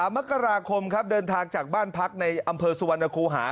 มกราคมครับเดินทางจากบ้านพักในอำเภอสุวรรณคูหา